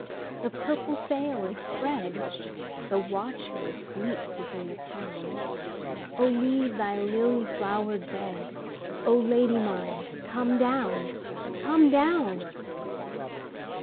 the purple sail is spread, The watchman sleeps within the town,O leave thy lily flowered bed,O Lady mine come down, come down!